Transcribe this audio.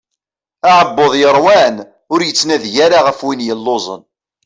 Aɛebbuḍ yeṛwan ur yettnadi ara ɣef win yelluẓen.